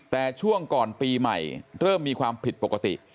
แต่ช่วงก่อนปีใหม่เริ่มมีความผิดปกติ